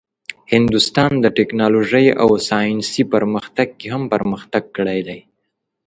هندوستان د ټیکنالوژۍ او ساینسي پرمختګ کې هم پرمختګ کړی دی.